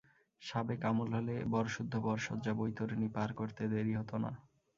সাবেক আমল হলে বরসুদ্ধ বরসজ্জা বৈতরণী পার করতে দেরি হত না।